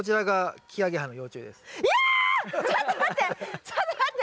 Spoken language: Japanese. ちょっと待って。